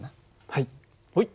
はい。